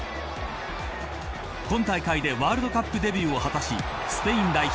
今大会でワールドカップデビューを果たしスペイン代表